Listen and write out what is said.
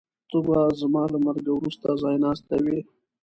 ته به زما له مرګ وروسته ځایناستی وې.